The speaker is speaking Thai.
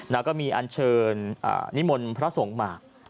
แล้วก็มีอันเชิญนิมนต์พระสงฆ์มา